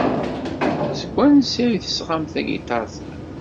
Seg wansi ay d-tesɣamt tagiṭart-a?